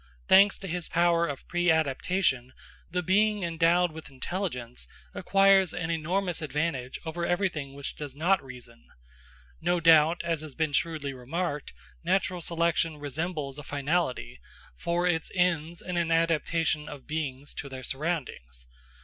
Thanks to his power of preadaptation, the being endowed with intelligence acquires an enormous advantage over everything which does not reason. No doubt, as has been shrewdly remarked, natural selection resembles a finality, for it ends in an adaptation of beings to their surroundings.